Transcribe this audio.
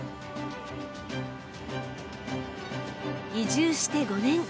移住して５年。